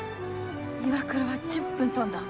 岩倉は１０分飛んだ。